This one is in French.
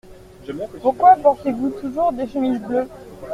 Pourquoi portez-vous toujours des chemises bleues ?